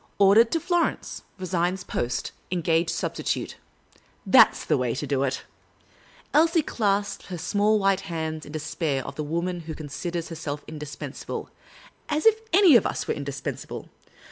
Ordered to Florence. Resigns post. Engage substitute.' That ' s the way to do it." Elsie clasped her small white hands in the despair of the woman who considers herself indispensable — as if we were any of us indispensable